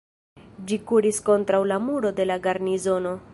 Ĝi kuris kontraŭ la muro de la garnizono.